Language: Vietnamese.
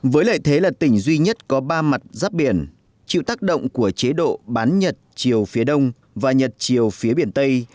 với lợi thế là tỉnh duy nhất có ba mặt giáp biển chịu tác động của chế độ bán nhật chiều phía đông và nhật chiều phía biển tây